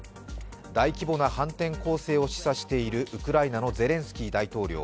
大規模な反転攻勢を示唆しているウクライナのゼレンスキー大統領。